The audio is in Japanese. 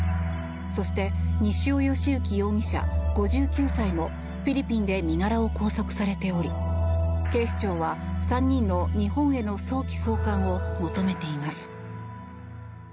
そして西尾嘉之容疑者、５９歳もフィリピンで身柄を拘束されており警視庁は、３人の日本への早期送還を求めています。